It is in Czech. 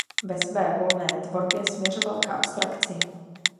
Ve své volné tvorbě směřoval k abstrakci.